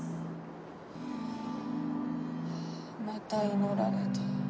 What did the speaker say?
ハァまた祈られた。